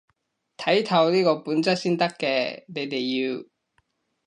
睇透呢個本質先得嘅，你哋要